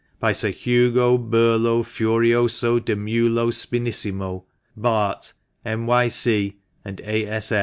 BY SIR HUGO BURLO FURIOSO DI MULO SPINNISSIMO, Bart., M.Y.C. AND A.